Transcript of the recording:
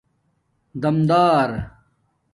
دمدار